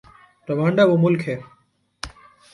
Rwanda وہ ملک ہے۔